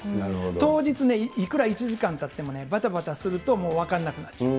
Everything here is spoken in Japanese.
当日いくら１時間あってもね、ばたばたするともう分かんなくなっちゃう。